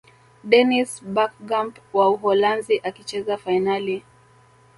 dennis berkgamp wa uholanzi alicheza fainali